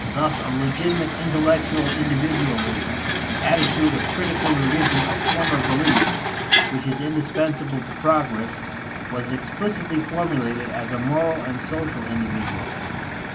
Thus a legitimate intellectual individualism, the attitude of critical revision of former beliefs which is indispensable to progress, was explicitly formulated as a moral and social individualism.